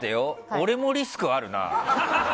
俺もリスクあるな。